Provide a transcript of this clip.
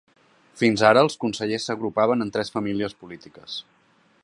Fins ara, els consellers s’agrupaven en tres famílies polítiques.